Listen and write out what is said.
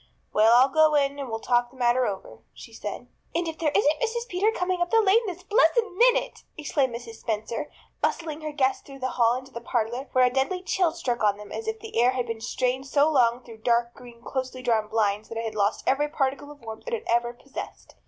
"Well, I'll go in and we'll talk the matter over," she said. "And if there isn't Mrs. Peter coming up the lane this blessed minute!" exclaimed Mrs. Spencer, bustling her guests through the hall into the parlor, where a deadly chill struck on them as if the air had been strained so long through dark green, closely drawn blinds that it had lost every particle of warmth it had ever possessed.